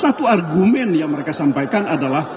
satu argumen yang mereka sampaikan adalah